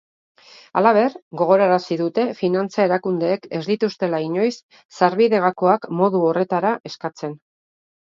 Halaber, gogorarazi dute finantza erakundeek ez dituztela inoiz sarbide-gakoak modu horretara eskatzen.